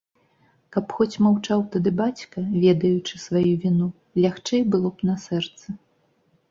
Каб хоць маўчаў тады бацька, ведаючы сваю віну, лягчэй было б на сэрцы.